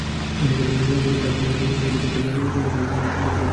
নিখোঁজ পারভেজ হোসেনের মেয়ে হৃদি এখন একটি কিন্ডারগার্টেনে নার্সারি শ্রেণিতে পড়ছে।